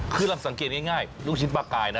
คือเราสังเกตง่ายลูกชิ้นปลากายนะ